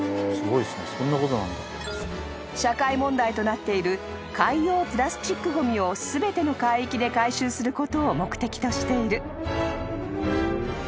［社会問題となっている海洋プラスチックごみを全ての海域で回収することを目的としている］